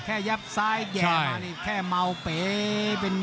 แค่ยับซ้ายแย่มานี่แค่เมาเป๋